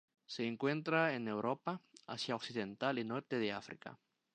Se encuentra en Europa, Asia Occidental y norte de África.